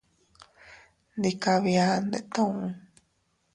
Ndi kabia ndetuu.